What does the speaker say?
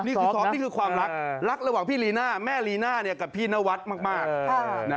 นี่คือท็อปนี่คือความรักรักระหว่างพี่ลีน่าแม่ลีน่ากับพี่นวัดมาก